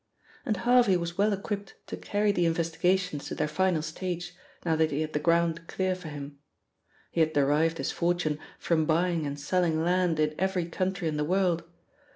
And Harvey was well equipped to carry the investigations to their final stage now that he had the ground clear for him. He had derived his fortune from buying and selling land in every country in the world.